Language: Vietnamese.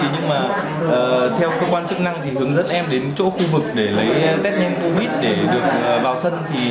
nhưng mà theo cơ quan chức năng thì hướng dẫn em đến chỗ khu vực để lấy test nhanh covid để được vào sân